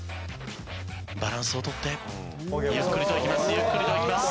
バランスを取ってゆっくりといきます